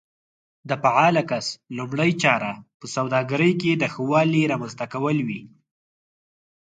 د فعال کس لومړۍ چاره په سوداګرۍ کې د ښه والي رامنځته کول وي.